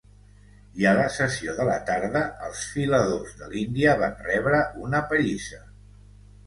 I a la sessió de la tarda, els filadors de l'Índia van rebre una pallissa.